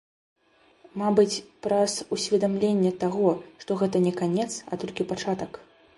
Мабыць, праз усведамленне таго, што гэта не канец, а толькі пачатак.